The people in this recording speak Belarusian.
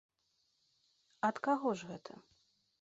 Ад каго ж гэта?